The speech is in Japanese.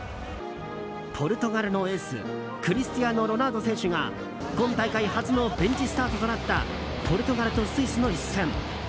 ポルトガルのエースクリスティアーノ・ロナウド選手が今大会初のベンチスタートとなったポルトガルとスイスの一戦。